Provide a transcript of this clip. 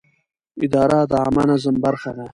اداره د عامه نظم برخه ده.